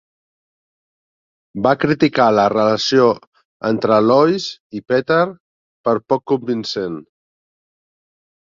Va criticar la relació entre Lois i Peter per poc convincent.